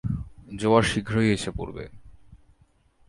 জোয়ার শীঘ্রই এসে পড়বে।